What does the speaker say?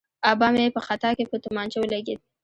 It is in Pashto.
آبا مې په خطا کې په تومانچه ولګېد.